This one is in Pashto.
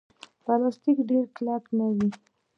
پلاستيک ډېر کلک نه وي.